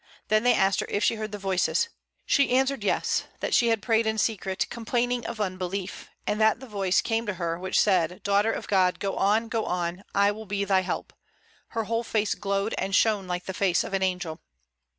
Then they asked her if she heard the voices. She answered, Yes; that she had prayed in secret, complaining of unbelief, and that the voice came to her, which said, "Daughter of God, go on, go on! I will be thy help!" Her whole face glowed and shone like the face of an angel.